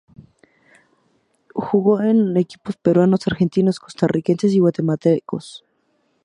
Jugó en equipos peruanos, argentinos, costarricenses y guatemaltecos.